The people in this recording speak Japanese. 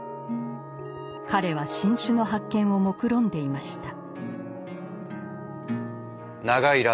彼は新種の発見をもくろんでいました。